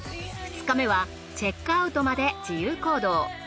２日目はチェックアウトまで自由行動。